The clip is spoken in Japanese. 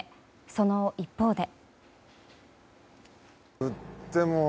その一方で。